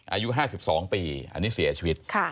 อายุ๕๒ปีอันนี้เสียชีวิต